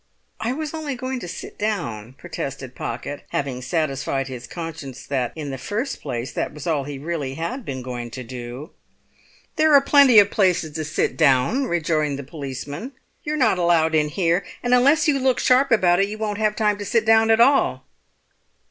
"I was only going to sit down," protested Pocket, having satisfied his conscience that in the first place that was all he really had been going to do. "There are plenty of places to sit down," rejoined the policeman. "You're not allowed in here. And unless you look sharp about it you won't have time to sit down at all."